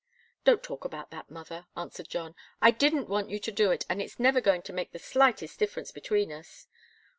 "Don't talk about that, mother!" answered John. "I didn't want you to do it, and it's never going to make the slightest difference between us."